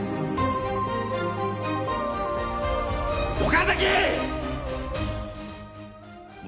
岡崎！！